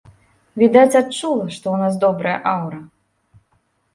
Відаць, адчула, што ў нас добрая аўра.